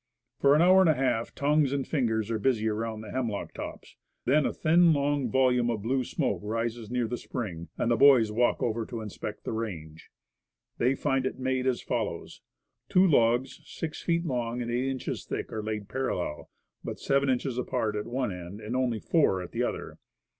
For an hour and a half tongues and fingers are 84 Woodcraft. busy around the hemlock tops; then a thin, long volume of blue smoke rises near the spring, and the boys walk over to inspect the range. They find it made as follows: Two logs six feet long and eight inches thick are laid parallel, but seven inches apart at one end and only four at the other.